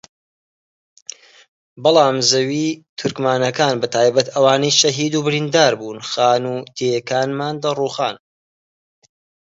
بەڵام زەوی تورکمانەکان بەتایبەت ئەوانەی شەهید و بریندار بوون خانوو و دێیەکانمان رووخان